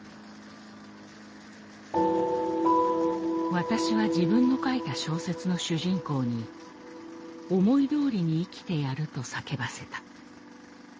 「私は自分の書いた小説の主人公に思い通りに生きてやると叫ばせた」。